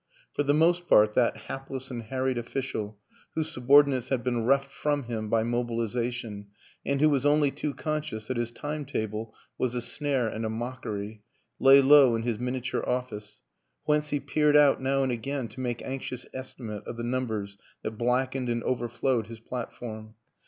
For the most part that hapless and harried official whose subordinates had been reft from him by mobilization and who was only too con scious that his time table was a snare and a mock ery lay low in his miniature office; whence he peered out now and again to make anxious esti mate of the numbers that blackened and over flowed his platform.